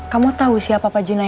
kamu tau siapa pak junedi